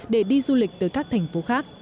để đi du lịch tới các thành phố khác